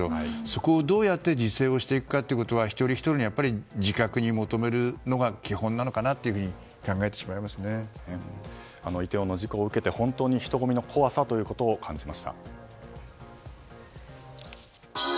そこを、どうやって自制していくかというのは一人ひとりの自覚に求めるのがイテウォンの事故を受けて本当に人混みの怖さというのを感じました。